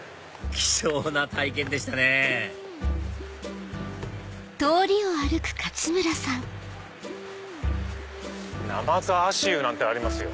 貴重な体験でしたね「なまず足湯」なんてありますよ。